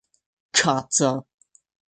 Kaco.